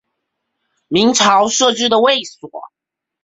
明朝设置的卫所。